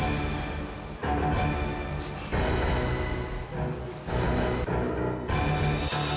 apa ini di sekitar sini